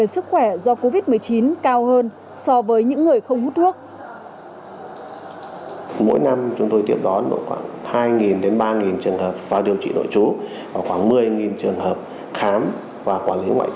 sức khỏe do covid một mươi chín cao hơn so với những người không hút thuốc